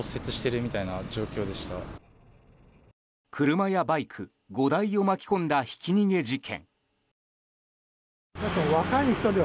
車やバイク５台を巻き込んだひき逃げ事件。